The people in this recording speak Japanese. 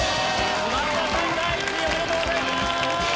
第１位おめでとうございます！